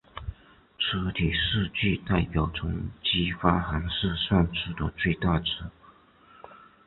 粗体数据代表从激发函数算出的最大值。